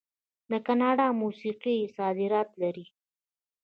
د کاناډا موسیقي صادرات لري.